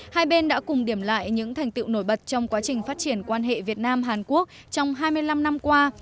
hai bên đã cùng điểm lại những thành tựu nổi bật trong quá trình phát triển quan hệ việt nam hàn quốc trong hai mươi năm năm qua